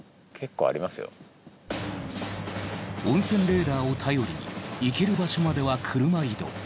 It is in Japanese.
温泉レーダーを頼りに行ける場所までは車移動。